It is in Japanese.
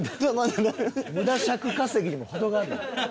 無駄尺稼ぎにも程があるよ。